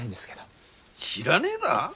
知らねえだ？